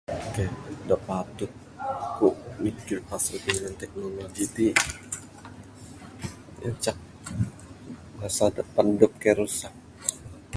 Kayuh da patut ku mikir pasal minan teknologi ti ngancak masa depan dep kaik rusak.